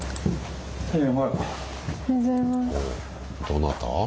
どなた？